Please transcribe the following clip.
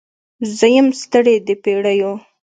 زه یم ستړې د پیړیو